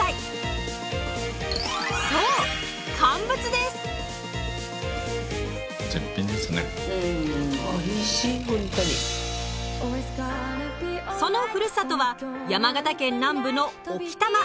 そうそのふるさとは山形県南部の置賜。